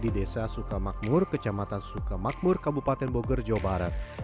di desa sukamakmur kecamatan sukamakmur kabupaten bogor jawa barat